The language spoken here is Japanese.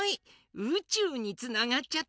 うちゅうにつながっちゃった！